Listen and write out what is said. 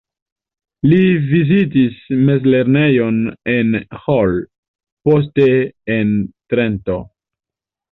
Li vizitis mezlernejon en Hall, poste en Trento.